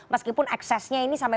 meskipun eksesnya ini sampai